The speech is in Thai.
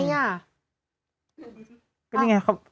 ก็เป็นไงครับ